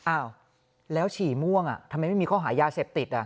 อ้าวแล้วฉี่ม่วงทำไมไม่มีข้อหายาเสพติด